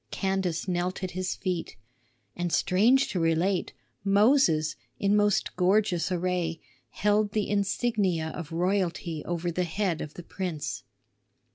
Candace knelt at his feet. And, strange to relate, Moses, in most gorgeous array, held the insignia of royalty over the head of the prince.